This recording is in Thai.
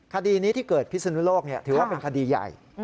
คดีนี้ที่เกิดพิศนุโลกถือว่าเป็นคดีใหญ่